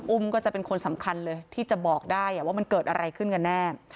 ก็จะเป็นคนสำคัญเลยที่จะบอกได้ว่ามันเกิดอะไรขึ้นกันแน่